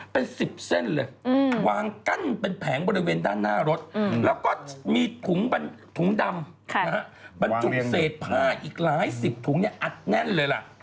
เป็น๑๐เส้นเลยวางกั้นเป็นแผงบริเวณด้านหน้ารถแล้วก็มีถุงดำบรรจุเศษผ้าอีกหลายสิบถุงเนี่ยอัดแน่นเลยล่ะ